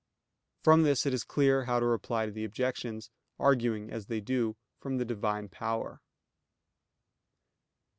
From this is clear how to reply to the objections, arguing as they do from the Divine power.